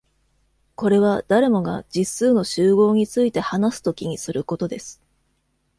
これは誰もが「実数の集合」について話すときにすることです。